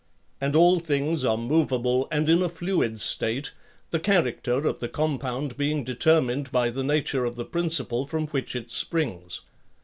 And all things are movable and in a fluid state, the character of the compound being determined by the nature of the principle from which it springs.